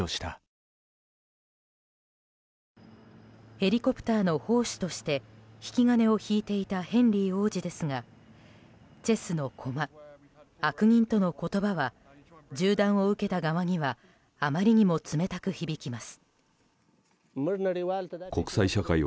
ヘリコプターの砲手として引き金を引いていたヘンリー王子ですがチェスの駒、悪人との言葉は銃弾を受けた側にはあまりにも冷たく響きます。